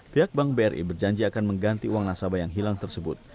pihak bank bri berjanji akan mengganti uang nasabah yang hilang tersebut